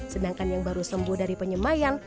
sedangkan yang baru sembuh dari penyemayan